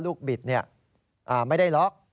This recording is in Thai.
ลูกบิดเนี่ยไม่ได้ล็อก